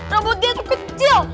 robot dia tuh kecil